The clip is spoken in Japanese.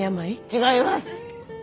違います！